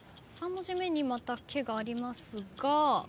３文字目にまた「け」がありますが。